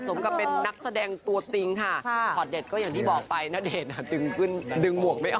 สมกับเป็นนักแสดงตัวจริงค่ะพอร์ตเด็ดก็อย่างที่บอกไปณเดชน์จึงขึ้นดึงหมวกไม่ออก